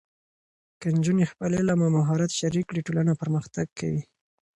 که نجونې خپل علم او مهارت شریک کړي، ټولنه پرمختګ کوي.